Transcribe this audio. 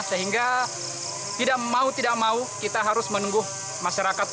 sehingga tidak mau tidak mau kita harus menunggu masyarakat